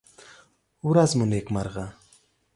ورڅ مو نېکمرغه!